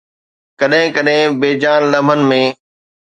ڪڏهن ڪڏهن بي جان لمحن ۾